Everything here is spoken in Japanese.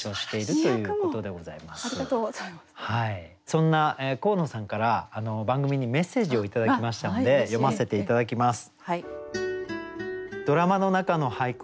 そんな神野さんから番組にメッセージを頂きましたので読ませて頂きます。